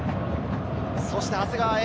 そして長谷川へ。